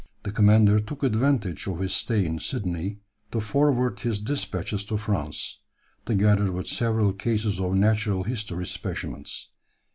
The commander took advantage of his stay in Sydney to forward his despatches to France, together with several cases of natural history specimens.